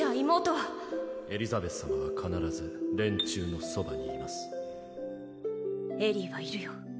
エリザベス様は必ず連中のそばにいまエリーはいるよ